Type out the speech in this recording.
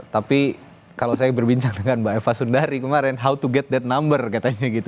tapi kalau saya berbincang dengan mbak eva sundari kemarin how to get ⁇ t number katanya gitu